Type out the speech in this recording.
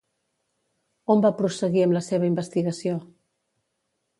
On va prosseguir amb la seva investigació?